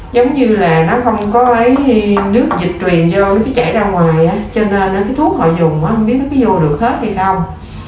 giống như là nó không có cái nước dịch truyền vô nó cứ chảy ra ngoài á cho nên cái thuốc họ dùng không biết nó cứ vô được hết hay không